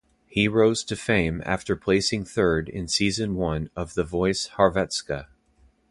He rose to fame after placing third in season one of "The Voice Hrvatska".